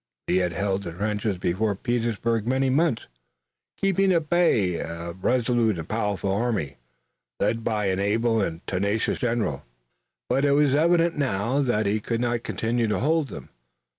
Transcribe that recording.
Lee had held the trenches before Petersburg many months, keeping at bay a resolute and powerful army, led by an able and tenacious general, but it was evident now that he could not continue to hold them.